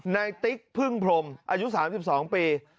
ติ๊กพึ่งพรมอายุ๓๒ปี